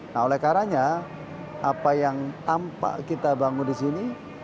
nah oleh karanya apa yang tampak kita bangun di sini